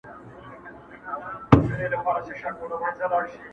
• کله کله یې سکوت هم مسؤلیت دی ,